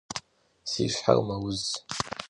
Si şher meuz.